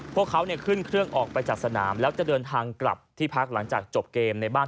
พวกเขาขึ้นเครื่องออกไปจากสนามแล้วจะเดินทางกลับที่พักหลังจากจบเกมในบ้าน